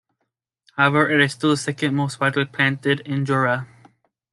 However, it is still the second most widely planted in Jura.